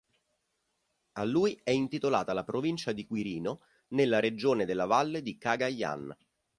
A lui è intitolata la Provincia di Quirino nella regione della Valle di Cagayan.